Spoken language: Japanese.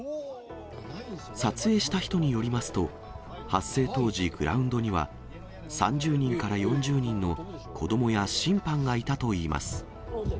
撮影した人によりますと、発生当時、グラウンドには３０人から４０人の子どもや審判がいたといいます。